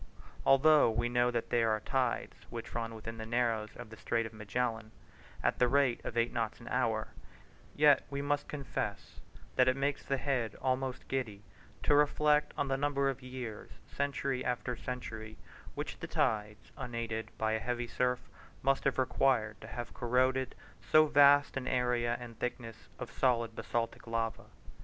Although we know that there are tides, which run within the Narrows of the Strait of Magellan at the rate of eight knots an hour, yet we must confess that it makes the head almost giddy to reflect on the number of years, century after century, which the tides, unaided by a heavy surf, must have required to have corroded so vast an area and thickness of solid basaltic lava.